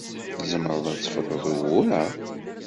Tzemreḍ ad tefruḍ ugur-a?